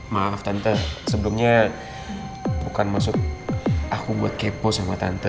maaf tante sebelumnya bukan masuk aku buat kepo sama tante